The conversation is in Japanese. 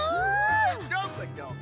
どーもどーも！